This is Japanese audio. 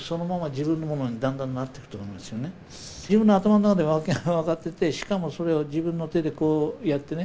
自分の頭の中で分かっててしかもそれを自分の手でこうやってね